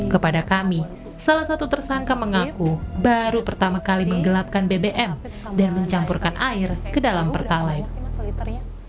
kepada kami salah satu tersangka mengaku baru pertama kali menggelapkan bbm dan mencampurkan air ke dalam pertalite